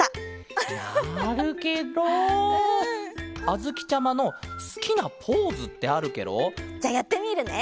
あづきちゃまのすきなポーズってあるケロ？じゃあやってみるね！